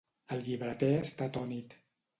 El llibreter està atònit.